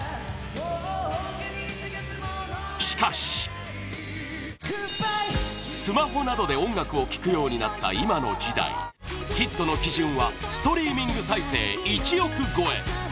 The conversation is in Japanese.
しかしスマホなどで音楽を聴くようになった今の時代ヒットの基準はストリーミング再生１億超え